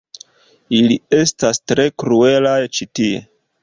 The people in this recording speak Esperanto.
Ili estas tre kruelaj ĉi tie